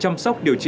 chăm sóc điều trị